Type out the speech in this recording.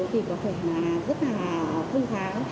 thì có thể là rất là phương phá